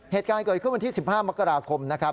เหตุการณ์เกิดขึ้นวันที่๑๕มกราคมนะครับ